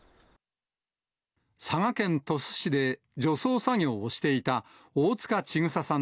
佐賀県鳥栖市で除草作業をしていた大塚千種さん